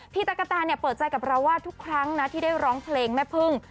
ตะกะแตนเปิดใจกับเราว่าทุกครั้งนะที่ได้ร้องเพลงแม่พึ่ง